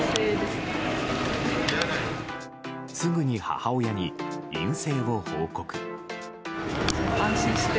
すぐに母親に陰性を報告。